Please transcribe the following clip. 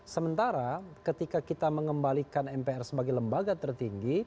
sementara ketika kita mengembalikan mpr sebagai lembaga tertinggi